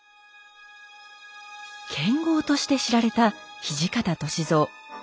剣豪として知られた土方歳三。